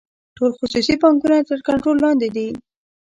ټول خصوصي بانکونه تر کنټرول لاندې دي.